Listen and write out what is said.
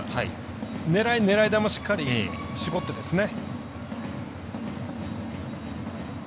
狙い球しっかり絞ってですね。